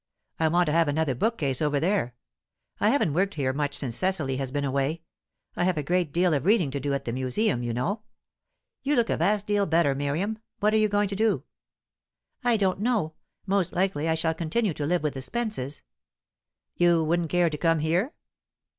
I want to have another bookcase over there. I haven't worked here much since Cecily has been away; I have a great deal of reading to do at the Museum, you know. You look a vast deal better, Miriam. What are you going to do?" "I don't know. Most likely I shall continue to live with the Spences." "You wouldn't care to come here?"